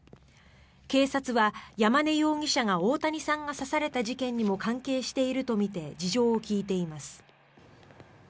警察は山根容疑者が大谷さんが刺された事件にも関係しているとみて事情を聴いています。